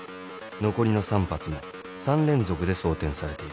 残りの３発も３連続で装てんされている。